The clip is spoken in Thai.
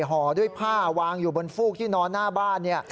ห่อด้วยผ้าวางอยู่บนฟูกที่นอนหน้าบ้านเนี่ย